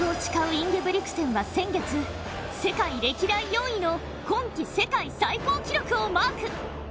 インゲブリクセンは先月、世界歴代４位の今季世界最高記録をマーク。